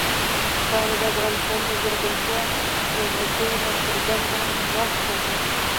خاوره د افغانستان د زرغونتیا یوه ډېره څرګنده نښه ده.